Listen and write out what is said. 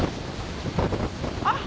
あっ！